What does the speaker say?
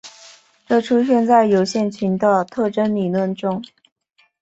这出现在有限群的特征理论中。